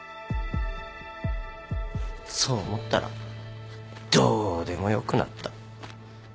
そう思ったらどうでもよくなった。